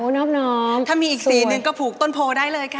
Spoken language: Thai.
นอบน้อมถ้ามีอีกสีหนึ่งก็ผูกต้นโพได้เลยค่ะ